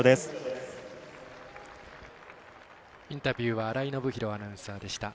インタビューは新井信宏アナウンサーでした。